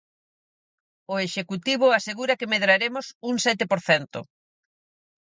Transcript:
O Executivo asegura que medraremos un sete por cento.